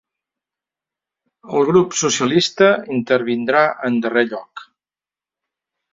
El grup socialista intervindrà en darrer lloc.